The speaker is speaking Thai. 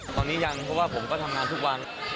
ตอนนี้ยังเพราะว่าผมก็ทำงานทุกวัน